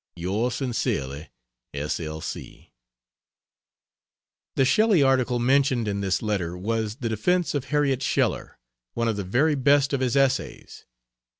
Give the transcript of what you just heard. Yours Sincerely S. L. C. The Shelley article mentioned in this letter was the "Defense of Harriet Sheller," one of the very best of his essays.